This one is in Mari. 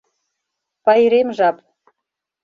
Пайрем жап.